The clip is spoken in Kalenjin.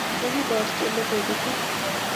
kokiborchi ole kobetee